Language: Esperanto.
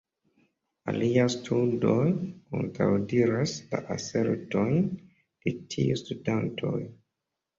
Aliaj studoj kontraŭdiras la asertojn de tiuj studantoj.